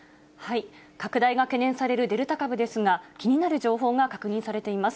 拡大が懸念されるデルタ株ですが、気になる情報が確認されています。